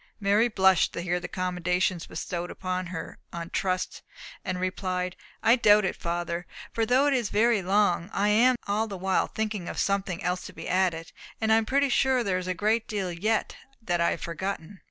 Mary blushed to hear the commendation bestowed upon her on trust, and replied, "I doubt it, father. For though it is very long, I am all the while thinking of something else to be added, and I am pretty sure there is a great deal yet that I have forgotten."